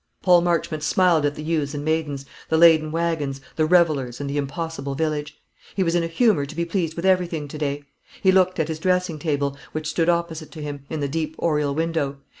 Paul Marchmont smiled at the youths and maidens, the laden wagons, the revellers, and the impossible village. He was in a humour to be pleased with everything to day. He looked at his dressing table, which stood opposite to him, in the deep oriel window.